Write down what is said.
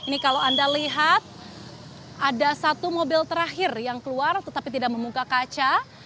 saya lihat ada satu mobil terakhir yang keluar tetapi tidak membuka kaca